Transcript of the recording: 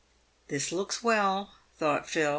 " This looks well," thought Phil.